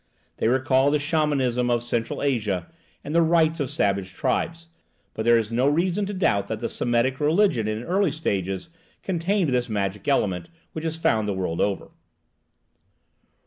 They recall the Shamanism of Central Asia and the rites of savage tribes; but there is no reason to doubt that the Semitic religion in its early stages contained this magic element, which is found all the world over.